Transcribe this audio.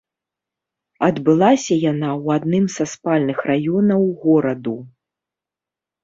Адбылася яна ў адным са спальных раёнаў гораду.